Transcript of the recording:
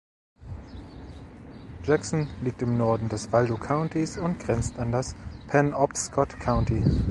Jackson liegt im Norden des Waldo Countys und grenzt an das Penobscot County.